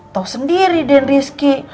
tau sendiri den rizky